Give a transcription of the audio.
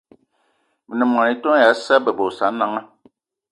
Me ne mô-etone ya Sa'a bebe y Osananga